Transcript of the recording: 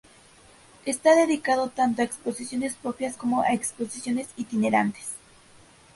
Está dedicado tanto a exposiciones propias como a exposiciones itinerantes.